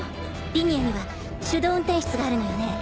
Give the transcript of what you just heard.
リニアには手動運転室があるのよね？